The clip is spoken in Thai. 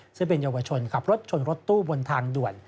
ซึ่งเป็นเยาวชนขับรถชนรถตู้บนทางด่วน